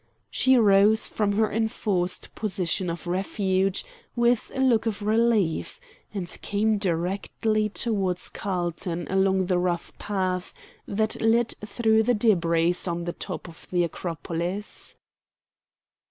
She rose from her enforced position of refuge with a look of relief, and came directly towards Carlton along the rough path that led through the debris on the top of the Acropolis.